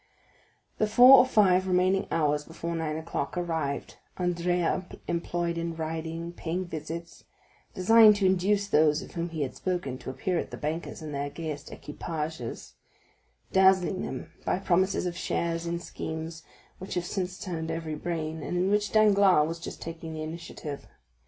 The four or five remaining hours before nine o'clock arrived, Andrea employed in riding, paying visits,—designed to induce those of whom he had spoken to appear at the banker's in their gayest equipages,—dazzling them by promises of shares in schemes which have since turned every brain, and in which Danglars was just taking the initiative.